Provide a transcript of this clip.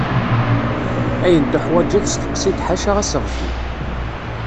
Ayen tuḥwaǧeḍ steqsi-d ḥaca aseɣti.